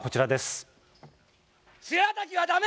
しらたきはだめ！